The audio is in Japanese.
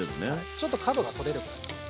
ちょっと角が取れるぐらい。